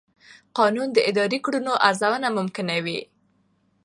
قانون د اداري کړنو ارزونه ممکنوي.